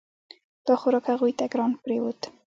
دا خوراک هغوی ته ګران پریوت.